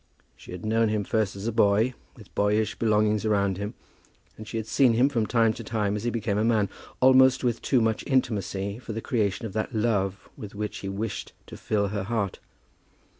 She had known him first as a boy, with boyish belongings around him, and she had seen him from time to time as he became a man, almost with too much intimacy for the creation of that love with which he wished to fill her heart.